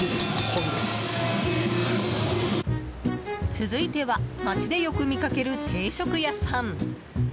続いては街でよく見かける定食屋さん。